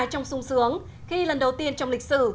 trong sung sướng khi lần đầu tiên trong lịch sử